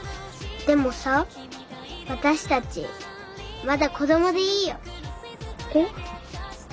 でもさ私たちまだ子どもでいいよ。え？